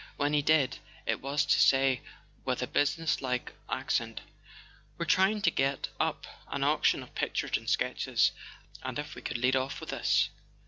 When he did, it was to say with a businesslike ac¬ cent: "We're trying to get up an auction of pictures and sketches—and if we could lead off with this.